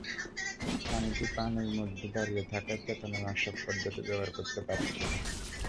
প্রাণীটি পানির মধ্যে দাঁড়িয়ে থাকায় চেতনানাশক পদ্ধতি ব্যবহার করতে পারছি না।